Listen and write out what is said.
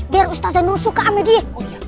biar ustazanuru suka sama dia